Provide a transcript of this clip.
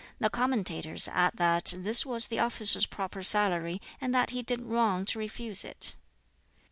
The commentators add that this was the officer's proper salary, and that he did wrong to refuse it.